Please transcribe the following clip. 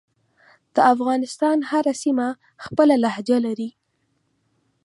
دافغانستان هره سیمه خپله لهجه لری